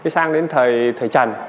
sang đến thời trần